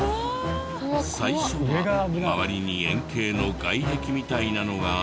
最初は周りに円形の外壁みたいなのがあったのに。